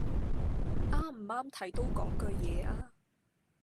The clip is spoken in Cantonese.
啱唔啱睇都講句嘢吖